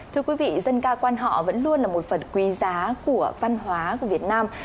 thưa quý vị dân ca quan họ vẫn luôn là một phần quý giá của văn hóa của việt nam